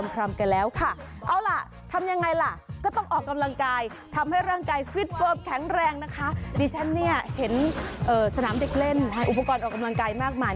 ขอตัวไปออกอำนาจการณ์กันก่อนนะคะ